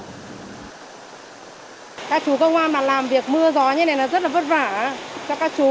các chú công an mà làm việc mưa gió như này là rất là vất vả cho các chú